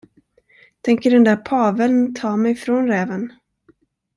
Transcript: Tänker den där paveln ta mig från räven?